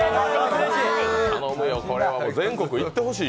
頼むよ、これは全国行ってほしいよ。